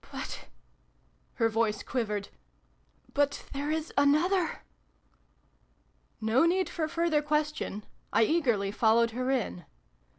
But ," her voice quivered, " but there is another !" No need for further question. I eagerly followed her in.